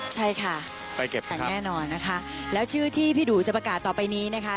ใช่ค่ะไปเก็บแต่งแน่นอนนะคะแล้วชื่อที่พี่ดูจะประกาศต่อไปนี้นะคะ